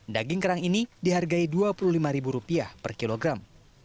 daging kerang ini dihargai dua puluh lima ribu rupiah per kilogram